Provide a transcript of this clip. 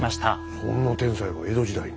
そんな天才が江戸時代に。